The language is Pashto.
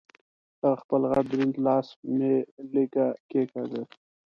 هغه خپل غټ دروند لاس مې لږه کېګاږه.